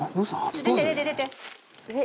出て出て出て！